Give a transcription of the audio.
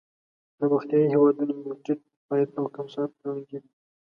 پرمختیايي هېوادونه د ټیټ عاید او کم صنعت لرونکي دي.